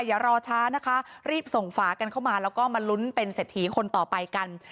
อย่ารอช้านะคะรีบส่งฝากันเข้ามาแล้วก็มาลุ้นเป็นเศรษฐีคนต่อไปกัน